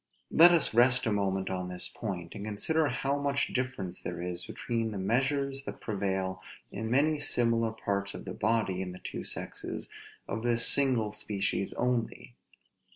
Let us rest a moment on this point; and consider how much difference there is between the measures that prevail in many similar parts of the body, in the two sexes of this single species only.